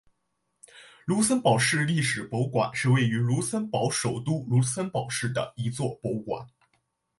卢森堡市历史博物馆是位于卢森堡首都卢森堡市的一座博物馆。